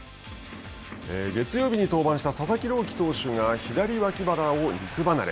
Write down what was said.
月曜日に登板した佐々木朗希投手が左脇腹を肉離れ。